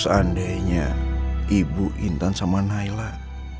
seandainya ibu intan sama naila